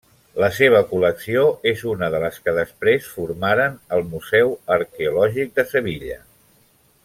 La seva col·lecció és una de les que després formaren el Museu Arqueològic de Sevilla.